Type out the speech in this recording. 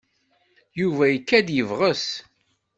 Yuba ikad-d yebges.